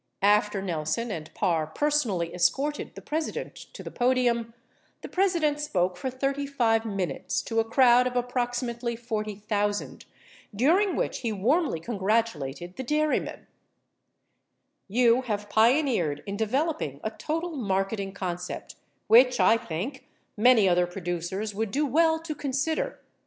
53 After Nelson and Parr personally escorted the President to the podium, 54 the President spoke for 35 minutes 55 to a crowd of approximately 40,000 during which he warmly congratulated the dairymen : You have pioneered in developing a total marketing con cept which, I think, many other producers would do well to consider.